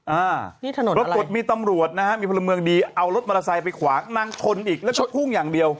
อ่านี่ถนนปรากฏมีตำรวจนะฮะมีพลเมืองดีเอารถมอเตอร์ไซค์ไปขวางนางชนอีกแล้วชดพุ่งอย่างเดียว